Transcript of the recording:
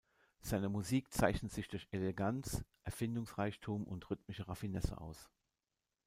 Seine Musik zeichnet sich durch Eleganz, Erfindungsreichtum und rhythmische Raffinesse aus.